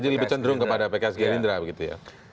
jadi lebih cenderung kepada pks gelindra begitu ya